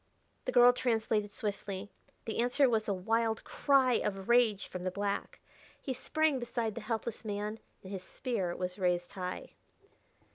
The girl translated swiftly; the answer was a wild cry of rage from the black. He sprang beside the helpless man and his spear was raised high.